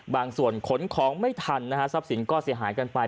ขนของไม่ทันนะฮะทรัพย์สินก็เสียหายกันไป